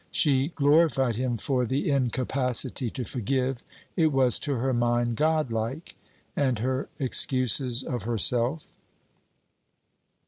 She glorified him for the incapacity to forgive; it was to her mind godlike. And her excuses of herself?